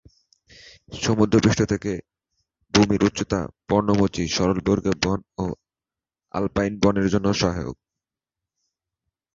সমুদ্রপৃষ্ঠ থেকে ভূমির উচ্চতা পর্ণমোচী, সরলবর্গীয় বন ও আলপাইন বনের জন্য সহায়ক।